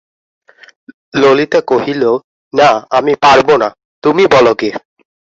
ললিতা কহিল, না, আমি বলতে পারব না, তুমি বলো গে।